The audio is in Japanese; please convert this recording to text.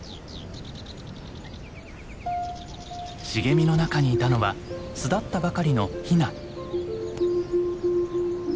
茂みの中にいたのは巣立ったばかりのヒナ。